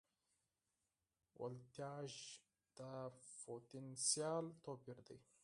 ولتاژ د پوتنسیال توپیر دی.